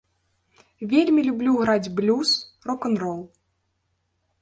Вельмі люблю граць блюз, рок-н-рол.